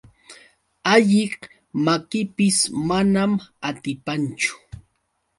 Alliq makipis manan atipanchu.